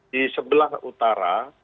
di sebelah utara